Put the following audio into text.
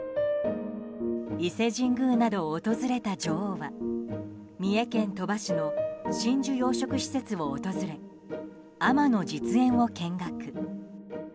伊勢神宮などを訪れた女王は三重県鳥羽市の真珠養殖施設を訪れ海女の実演を見学。